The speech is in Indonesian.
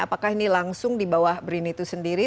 apakah ini langsung di bawah brin itu sendiri